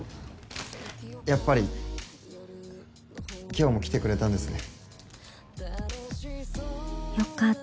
やっぱり今日も来てくれたんですね。